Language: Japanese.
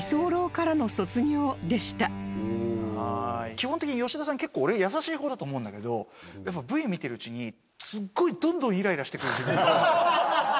基本的に吉田さんに結構俺優しい方だと思うんだけどやっぱＶ見てるうちにすっごいどんどんイライラしてくる自分が。